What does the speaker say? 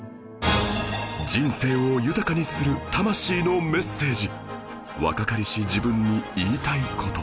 人生を豊かにする魂のメッセージ